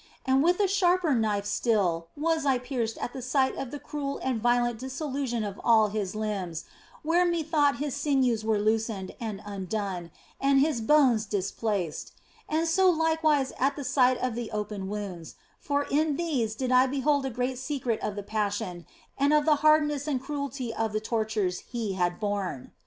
And with a sharper knife still was I pierced at the sight of the cruel and violent dissolution of all His limbs, where methought His sinews were loosened and undone and His bones dis placed ; and so likewise at the sight of the open wounds, for in these did I behold a great secret of the Passion and of the hardness and cruelty of the tortures He had borne.